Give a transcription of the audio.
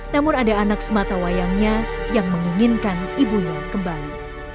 namun ada anak sematawayangnya yang menginginkan ibunya kembali